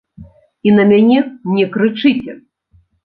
І на мяне не крычыце!